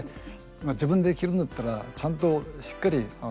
自分で着るんだったらちゃんとしっかり